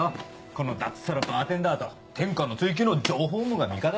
この脱サラバーテンダーと天下の追求の情報網が味方だ。